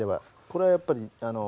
これはやっぱりあの。